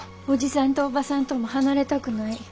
おじさんとおばさんとも離れたくない。